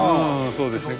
そうですね。